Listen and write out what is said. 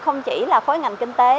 không chỉ là khối ngành kinh tế